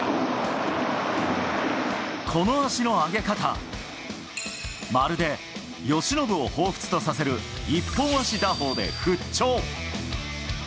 この足の上げ方、まるで由伸をほうふつとさせる一本足打法で復調。